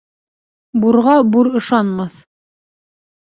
Бурға бур ышанмаҫ